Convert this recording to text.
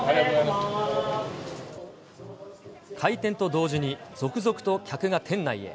開店と同時に続々と客が店内へ。